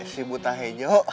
si buta hijau